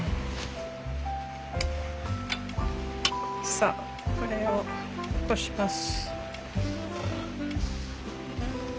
さあこれをこします。